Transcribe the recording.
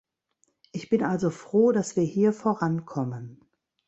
Ich bin also froh, dass wir hier vorankommen.